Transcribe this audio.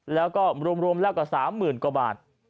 แล้วก็รวมแล้วกว่า๓๐๐๐กว่าบาท